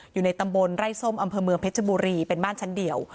อยู่ในตำบลไร่ส้มอำเภอเมืองเพชรบุรีเป็นบ้านชั้นเดียว